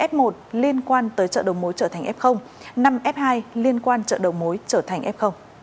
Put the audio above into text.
f một liên quan tới chợ đầu mối trở thành f năm f hai liên quan chợ đầu mối trở thành f